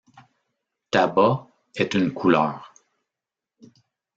Tabac est une couleur.